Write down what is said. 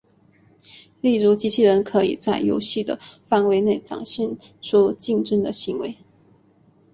例如机器人可以在游戏的范围内展现出竞争的行为。